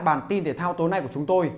bản tin thể thao tối nay của chúng tôi